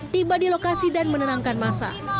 tiba di lokasi dan menenangkan masa